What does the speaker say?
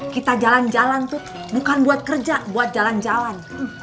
kita jalan jalan tuh bukan buat kerja buat jalan jalan